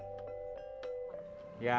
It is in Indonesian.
mbah gito memakai baju lurik tradisional